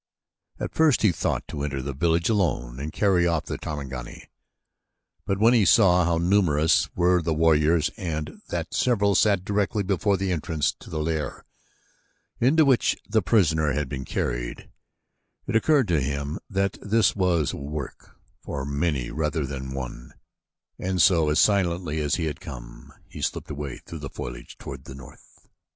At first he thought to enter the village alone and carry off the Tarmangani; but when he saw how numerous were the warriors and that several sat directly before the entrance to the lair into which the prisoner had been carried, it occurred to him that this was work for many rather than one, and so, as silently as he had come, he slipped away through the foliage toward the north.